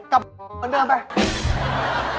กลับมาเดินไป